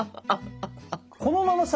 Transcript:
このままさ